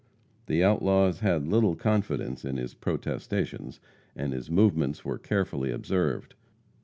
The outlaws had little confidence in his protestations, and his movements were carefully observed.